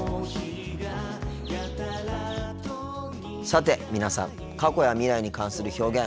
さて皆さん過去や未来に関する表現